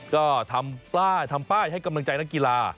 ก็ทำป้ายให้กำลังใจนักกีฬา